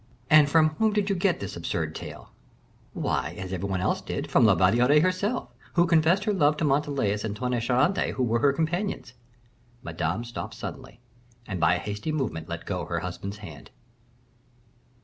"And from whom did you get this absurd tale?" "Why, as everybody else did, from La Valliere herself, who confessed her love to Montalais and Tonnay Charente, who were her companions." Madame stopped suddenly, and by a hasty movement let go her husband's hand.